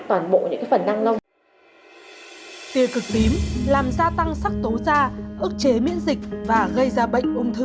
toàn bộ những cái phần năng lông tia cực tím làm gia tăng sắc tố da ức chế miễn dịch và gây ra bệnh